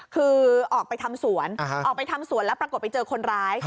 คือออกไปทำสวนออกไปทำสวนแล้วปรากฏไปเจอคนร้าย